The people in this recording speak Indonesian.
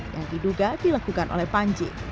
yang diduga dilakukan oleh panji